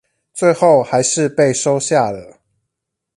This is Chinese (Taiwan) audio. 最後還是被收下了